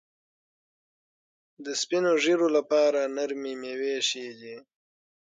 د سپین ږیرو لپاره نرمې میوې ښې دي.